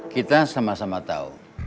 kita sama sama tau